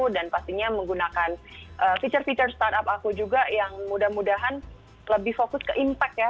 dan pastinya menggunakan fitur fitur startup aku juga yang mudah mudahan lebih fokus ke impact ya